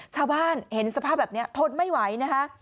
ชาวบ้านเห็นสภาพแบบนี้ทนไม่ไหวนะคะ